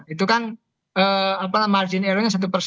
itu kan margin errornya satu persatu